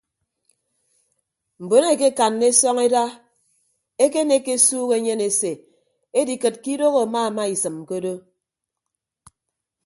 Mbon eekekanna esọñeda ekenekke esuuk enyen ese edikịd ke idooho amaamaisịm ke odo.